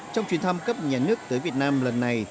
trong chuyến thăm cấp nhà nước tới việt nam lần này